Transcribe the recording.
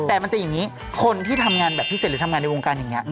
แต่มันจะอย่างนี้คนที่ทำงานแบบพิเศษหรือทำงานในวงการอย่างนี้